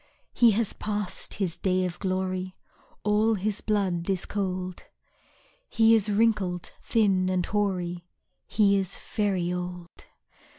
He has passed his day of glory, All his blood is cold, He is wrinkled, thin, and hoary, He is very old.